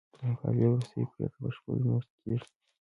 د مقالې وروستۍ پریکړه په شپږو میاشتو کې کیږي.